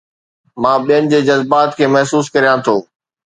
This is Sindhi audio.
مان ٻين جي جذبات کي محسوس ڪريان ٿو